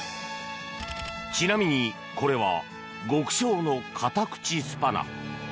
ちなみにこれは極小の片口スパナ。